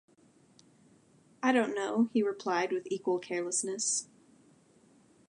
‘I don’t know,’ he replied, with equal carelessness..